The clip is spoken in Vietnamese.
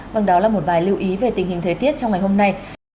vâng đó là một vài lưu ý về tình hình thời tiết trong ngày hôm nay